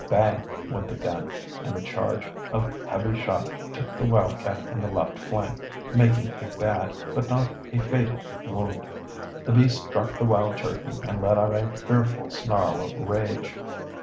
Bang! went the gun and the charge of heavy shot took the wildcat in the left flank, making a bad, but not a fatal, wound. The beast dropped the wild turkey and let out a fearful snarl of rage.